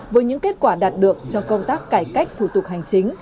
với những kết quả đạt được trong công tác cải cách thủ tục hành chính